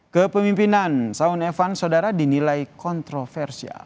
kepemimpinan saun evans saudara dinilai kontroversial